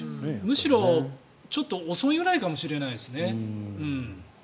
むしろちょっと遅いくらいかもしれないですね。